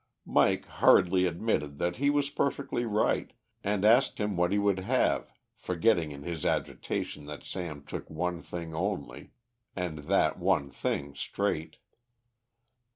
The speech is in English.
Mike hurriedly admitted that he was perfectly right, and asked him what he would have, forgetting in his agitation that Sam took one thing only, and that one thing straight.